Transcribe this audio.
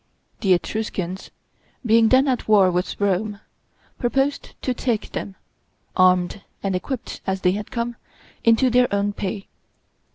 The Etruscans, being then at war with Rome, proposed to take them, armed and equipped as they had come, into their own pay.